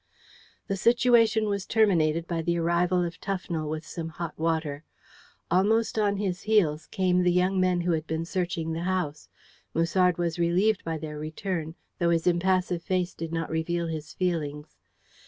The situation was terminated by the arrival of Tufnell with some hot water. Almost on his heels came the young men who had been searching the house. Musard was relieved by their return, though his impassive face did not reveal his feelings.